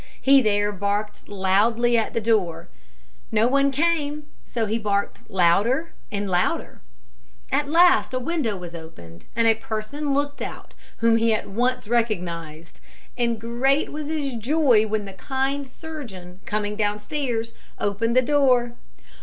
He there barked loudly at the door. No one came, so he barked louder and louder. At last a window was opened, and a person looked out, whom he at once recognised; and great was his joy when the kind surgeon, coming downstairs, opened the door.